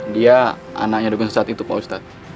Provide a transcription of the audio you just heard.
dia anaknya dukung setat itu pak ustadz